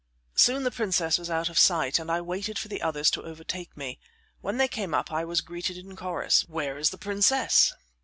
Soon the princess was out of sight, and I waited for the others to overtake me. When they came up I was greeted in chorus: "Where is the princess?"